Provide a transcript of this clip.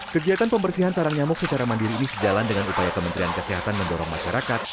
kegiatan pembersihan sarang nyamuk secara mandiri ini sejalan dengan upaya kementerian kesehatan mendorong masyarakat